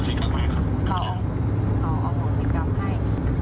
อ๋ออ๋อเอาอิงกรรมให้